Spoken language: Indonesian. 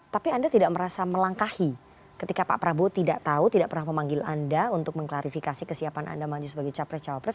tapi anda tidak merasa melangkahi ketika pak prabowo tidak tahu tidak pernah memanggil anda untuk mengklarifikasi kesiapan anda maju sebagai capres cawapres